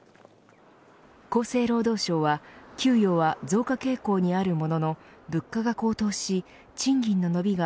厚生労働省は給与は増加傾向にあるものの物価が高騰し、賃金の伸びが